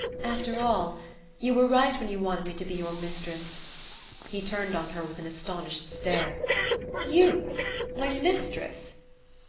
"After all you were right when you wanted me to be your mistress." He turned on her with an astonished stare. "You my mistress?"